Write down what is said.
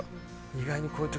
意外にこういう時。